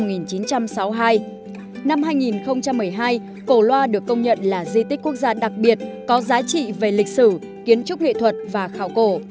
năm hai nghìn một mươi hai cổ loa được công nhận là di tích quốc gia đặc biệt có giá trị về lịch sử kiến trúc nghệ thuật và khảo cổ